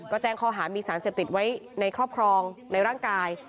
ก็แจ้งข้อหามีสารเสพติดไว้ในครอบครองในร่างกาย